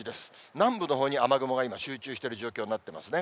南部のほうに雨雲が今、集中している状況になってますね。